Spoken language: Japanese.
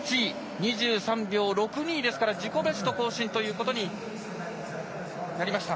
２３秒６２ですから自己ベスト更新ということになりました。